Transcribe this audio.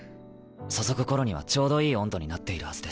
注ぐ頃にはちょうどいい温度になっているはずです。